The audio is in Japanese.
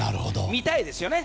見たいですよね。